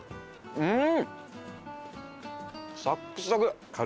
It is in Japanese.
うん！